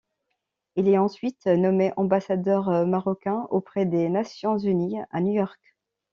Il est ensuite nommé ambassadeur marocain auprès des Nations unies à New York.